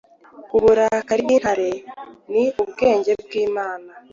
Uburakari bw'intare ni ubwenge bw'Imana.